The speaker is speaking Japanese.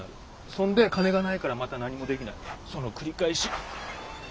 そんで金がないからまた何もできなくなるその繰り返し。